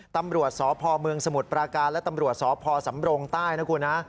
ตำรวจสพเมืองสมุทรปราการและตำรวจสพสำรงใต้นะคุณฮะ